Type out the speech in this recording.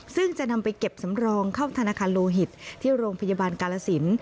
ซึ่งจะนำไปเก็บสำรองเข้าธนาคารโลหิตที่โรงพยาบาลกาลสิน